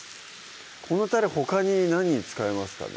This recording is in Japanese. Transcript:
このタレほかに何に使えますかね？